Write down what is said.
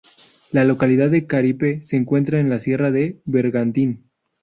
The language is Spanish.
La localidad de Caripe se encuentra en la sierra de Bergantín.